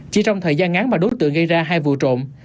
chỉ trong thời gian ngắn mà đối tượng gây ra hai vụ trộm